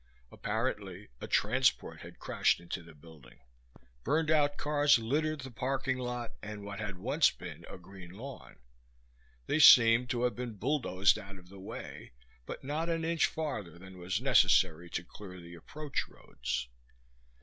Apparently a transport had crashed into the building. Burned out cars littered the parking lot and what had once been a green lawn. They seemed to have been bulldozed out of the way, but not an inch farther than was necessary to clear the approach roads.